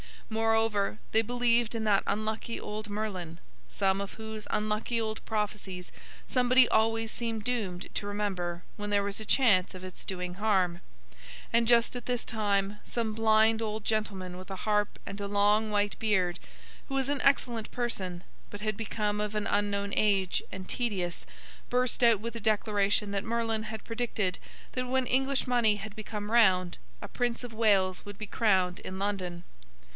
Moreover, they believed in that unlucky old Merlin, some of whose unlucky old prophecies somebody always seemed doomed to remember when there was a chance of its doing harm; and just at this time some blind old gentleman with a harp and a long white beard, who was an excellent person, but had become of an unknown age and tedious, burst out with a declaration that Merlin had predicted that when English money had become round, a Prince of Wales would be crowned in London.